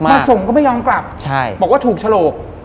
มาส่งก็ไม่ยอมกลับบอกว่าถูกฉลก